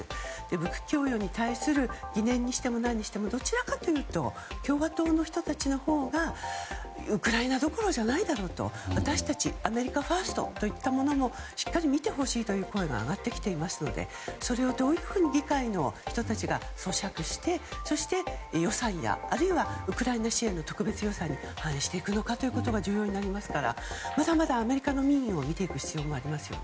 武器供与に対する疑念に対しても何にしても共和党のほうがウクライナどころじゃないだろうと私たちアメリカファーストといったものもしっかり見てほしいという声が声が上がってきていますのでそれをどういうふうに議会の人たちが咀嚼してそして、予算やあるいはウクライナ支援の特別予算に反映していくのかが重要になるのでまだまだアメリカの民意も見る必要があります。